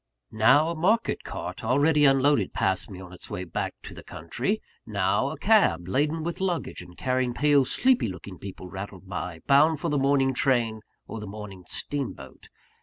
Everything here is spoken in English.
Now a market cart, already unloaded, passed me on its way back to the country; now, a cab, laden with luggage and carrying pale, sleepy looking people, rattled by, bound for the morning train or the morning steamboat.